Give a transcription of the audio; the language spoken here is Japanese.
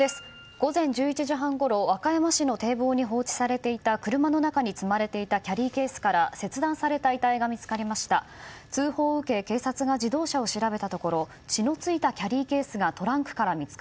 午前１１時半ごろ和歌山市の堤防に放置されていた車の中に積まれていたキャリーケースから切断された遺体が見つかりました。